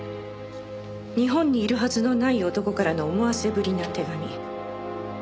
日本にいるはずのない男からの思わせぶりな手紙。